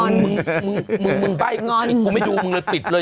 งอนมึงไปงอนตอนนี้คุณไม่ดูติดเลย